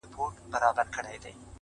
فريادي داده محبت کار په سلگيو نه سي.